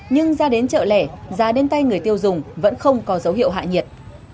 nhưng ra đến chợ lẻ giá đến tay người tiêu dùng vẫn không có dấu hiệu hạ nhiệt